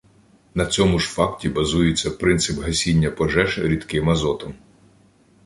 На цьому ж факті базується принцип гасіння пожеж рідким азотом.